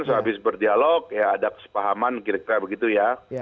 sehabis berdialog ya ada kesepahaman kira kira begitu ya